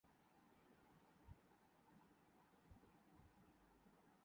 ingress کے رکن بھی رہے تھے